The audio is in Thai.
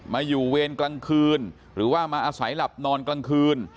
มาอยู่เวรกลางคืนหรือว่ามาอาศัยหลับนอนกลางคืน